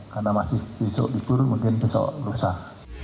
karena masih besok ikut mungkin besok rusak